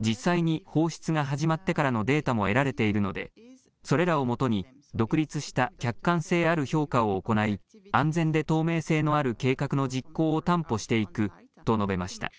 実際に放出が始まってからのデータも得られているので、それらをもとに独立した客観性ある評価を行い、安全で透明性のある計画の実行を担保していくと述べました。